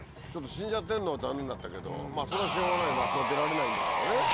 死んじゃってんのは残念だったけどそりゃしようがないよねあそこから出られないんだからね。